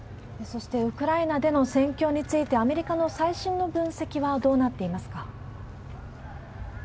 そして、ウクライナでの戦況について、アメリカの最新の分析はどうなっていますか？